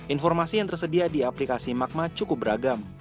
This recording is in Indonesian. informasi yang tersedia di aplikasi magma cukup beragam